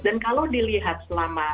dan kalau dilihat selama